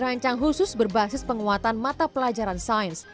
rancang khusus berbasis penguatan mata pelajaran sains